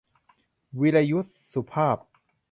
วีรยุทธ สุภาพ